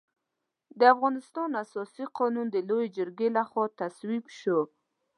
د افغانستان اساسي قانون د لويې جرګې له خوا تصویب شو.